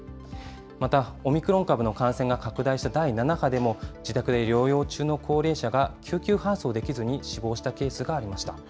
またオミクロン株の感染が拡大した第７波でも、自宅で療養中の高齢者が救急搬送できずに死亡したケースがありました。